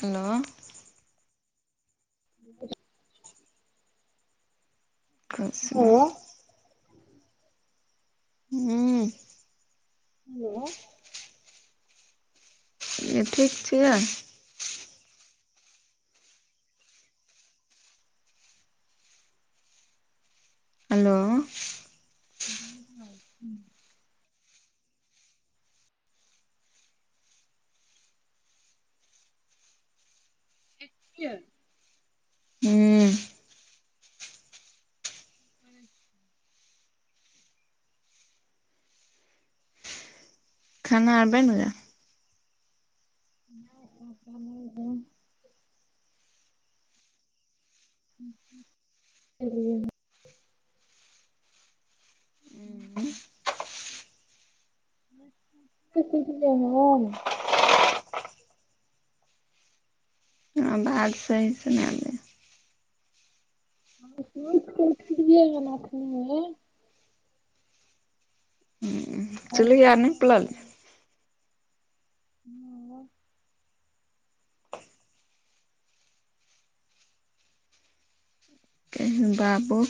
hello ह [inaudible] कुछ नहि हेलो हूँ हेलो ई ठीक छियै हेलो [inaudible] ठीक छीयै हूँ हँ खाना आर बनि गेल नहि [inaudible] हूँ गेल सब कुछ बनि गेल आवाज सही से नै आबैय हम सुतके उठलिय हन अखनी चुल्ही आर निप ललियै हूँ केहन बाबू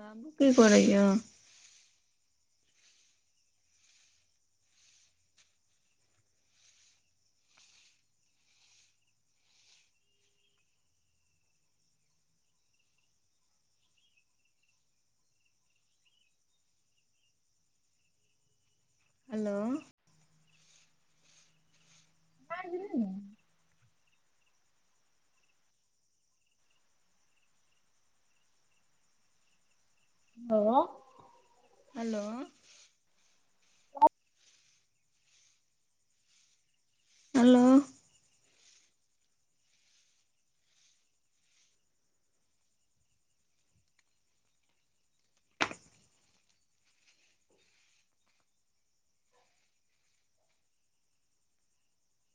बाबू की करैय हेलो आइ भेलै नऽ हेलो हेलो हेलो